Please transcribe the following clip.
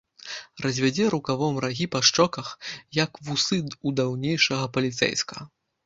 Развядзе рукавом рагі па шчоках, як вусы ў даўнейшага паліцэйскага.